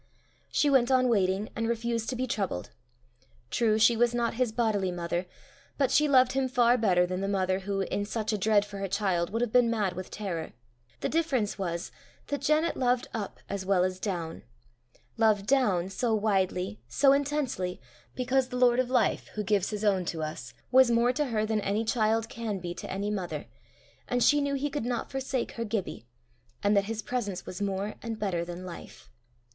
She went on waiting, and refused to be troubled. True, she was not his bodily mother, but she loved him far better than the mother who, in such a dread for her child, would have been mad with terror. The difference was, that Janet loved up as well as down, loved down so widely, so intensely, because the Lord of life, who gives his own to us, was more to her than any child can be to any mother, and she knew he could not forsake her Gibbie, and that his presence was more and better than life.